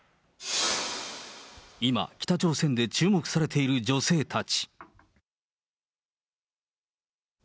今、北朝鮮で注目されている女性たち。